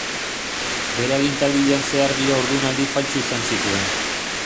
Bere agintaldian zehar bi haurdunaldi faltsu izan zituen.